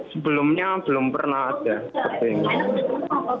sebelumnya belum pernah ada